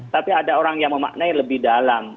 tapi ada orang yang memaknai lebih dalam